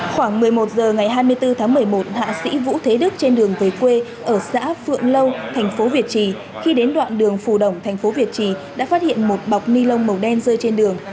khoảng một mươi một h ngày hai mươi bốn tháng một mươi một hạ sĩ vũ thế đức trên đường về quê ở xã phượng lâu thành phố việt trì khi đến đoạn đường phù đồng thành phố việt trì đã phát hiện một bọc ni lông màu đen rơi trên đường